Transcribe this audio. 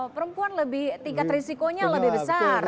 perempuan lebih tingkat risikonya lebih besar